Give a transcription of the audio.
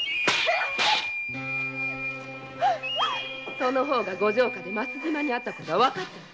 その方がご城下で増島に会ったことは判っている。